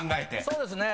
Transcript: そうですね。